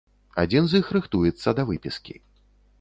Адзін з іх рыхтуецца да выпіскі.